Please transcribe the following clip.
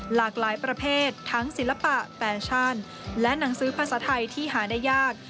หลากหลายประเภททั้งศิลปะแฟชั่นและหนังสือภาษาไทยที่หาได้ยาก